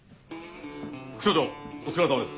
副署長お疲れさまです。